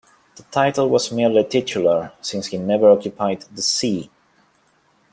The title was merely titular since he never occupied the See.